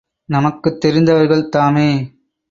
நமக்குத் தெரிந்தவர்கள் தாமே!